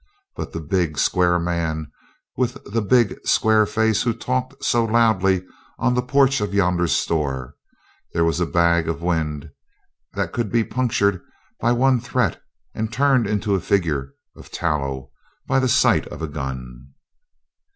But the big, square man with the big, square face who talked so loudly on the porch of yonder store there was a bag of wind that could be punctured by one threat and turned into a figure of tallow by the sight of a gun.